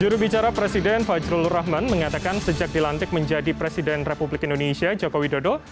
jurubicara presiden fajrul rahman mengatakan sejak dilantik menjadi presiden republik indonesia joko widodo